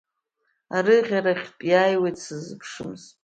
Арыӷьарахьтә иааиуеит сыззыԥшымыз…